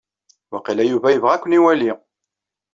Waqila Yuba ibɣa ad aken-iwali.